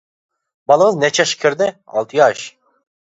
-بالىڭىز نەچچە ياشقا كىردى؟ -ئالتە ياش.